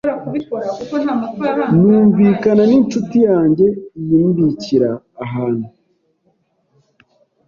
numvikana n’inshuti yanjye iyimbikira ahantu,